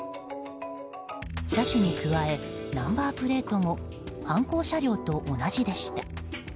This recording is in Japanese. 車種に加え、ナンバープレートも犯行車両と同じでした。